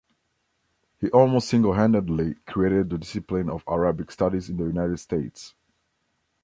He almost single-handedly created the discipline of Arabic Studies in the United States.